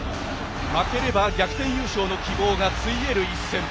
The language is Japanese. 負ければ逆転優勝の希望がついえる一戦。